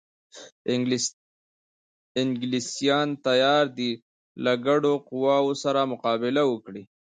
انګلیسیان تیار دي له ګډو قواوو سره مقابله وکړي.